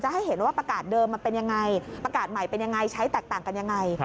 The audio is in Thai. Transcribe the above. ให้เห็นว่าประกาศเดิมมันเป็นยังไงประกาศใหม่เป็นยังไงใช้แตกต่างกันยังไง